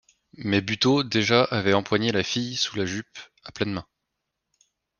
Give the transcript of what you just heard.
Mais Buteau, déjà, avait empoigné la fille sous la jupe, à pleine main.